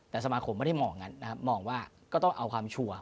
แต่สมาคมไม่ได้มองมองว่าต้องเอาความชัวร์